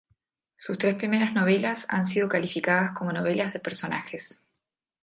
Sus tres primeras novelas han sido calificadas como novelas de personajes.